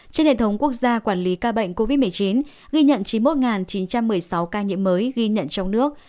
trên hệ thống quốc gia quản lý ca bệnh covid một mươi chín ghi nhận chín mươi một chín trăm một mươi sáu ca nhiễm mới ghi nhận trong nước